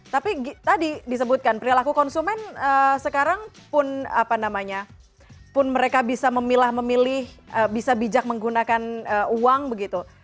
tapi tadi disebutkan perilaku konsumen sekarang pun apa namanya pun mereka bisa memilah memilih bisa bijak menggunakan uang begitu